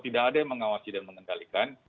tidak ada yang mengawasi dan mengendalikan